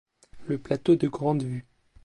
Le plateau de Grande-Vue